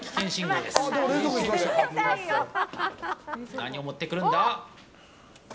何を持ってくるんだ？